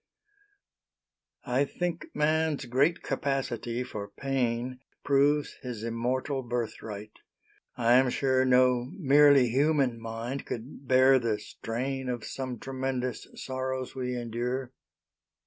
I think man's great capacity for pain Proves his immortal birthright. I am sure No merely human mind could bear the strain Of some tremendous sorrows we endure.